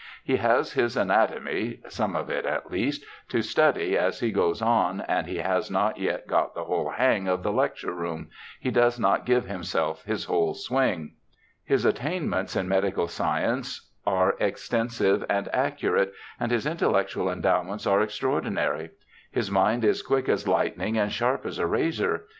He has his anatomy — some of it at least — to study as he goes on, and he has not yet got the whole hang of the lecture room — he does not give himself his whole swing. His attainments in medical science are extensive and accu rate, and his intellectual endowments are extraordinary. His mind is quick as lightning and sharp as a razor.